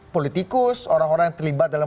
politikus orang orang yang terlibat dalam